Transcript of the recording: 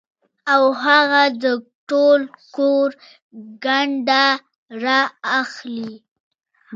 او هغه د ټول کور ګند را اخلي